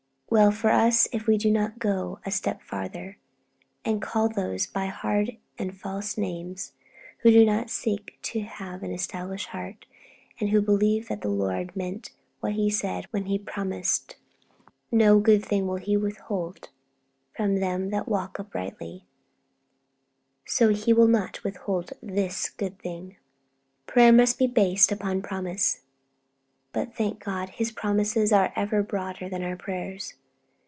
Well for us if we do not go a step farther, and call those by hard and false names who do seek to have an established heart, and who believe that as the Lord meant what He said when He promised, 'No good thing will He withhold from them that walk uprightly,' so He will not withhold this good thing. Prayer must be based upon promise, but, thank God, His promises are always broader than our prayers.